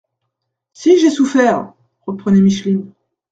—«Si j’ai souffert !…» reprenait Micheline.